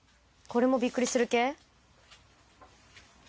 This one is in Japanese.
これもびっくりする系？